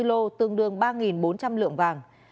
ba mươi bốn lô tương đương ba bốn trăm linh lượng vàng